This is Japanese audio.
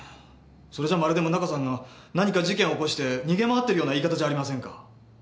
それじゃまるで宗形さんが何か事件を起こして逃げ回ってるような言い方じゃありませんか。